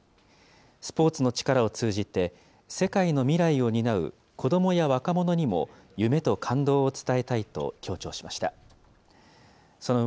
スポーツの力を通じて、世界の未来を担う子どもや若者にも、夢と感動を伝えたいと強調しました。